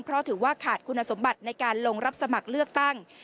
เพราะถือว่าขาดคุณสมบัติในการลงรับสมัครเลือกตั้ง